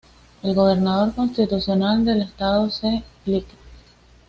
El Gobernador Constitucional del Estado C. Lic.